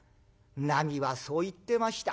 なみはそう言ってました。